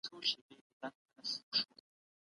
د پخوانیو لیکوالو ژوند د تاریخ برخه ده.